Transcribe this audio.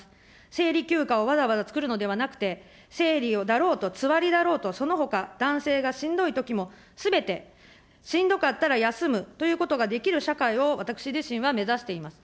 生理休暇をわざわざつくるのではなくて、生理だろうとつわりだろうと、そのほか男性がしんどいときも、すべてしんどかったら休むということができる社会を、私自身は目指しています。